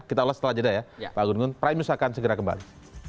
kita ulas setelah jeda ya pak gun gun prime news akan segera kembali